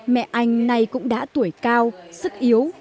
mẹ anh này cũng đã tuổi cao sức yếu